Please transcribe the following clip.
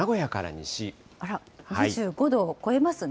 あら、２５度を超えますね。